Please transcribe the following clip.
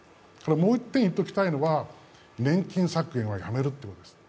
もう１点言っておきたいのは、年金削減はやめるということです。